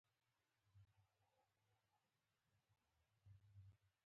دوی په هند کې د مغولو له ګټو سره ژوره علاقه درلوده.